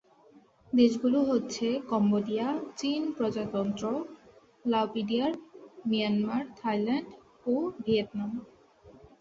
দেশগুলো হচ্ছে কম্বোডিয়া, চীন প্রজাতন্ত্র, লাওপিডিআর, মিয়ানমার, থাইল্যান্ড ও ভিয়েতনাম।